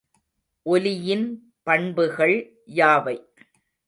ஒலியின் பண்புகள் யாவை?